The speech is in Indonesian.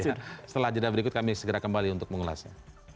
setelah jeda berikut kami segera kembali untuk mengulasnya